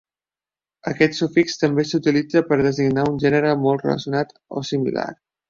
Aquest sufix també s'utilitza per designar un gènere molt relacionat o similar.